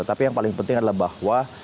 tapi yang paling penting adalah bahwa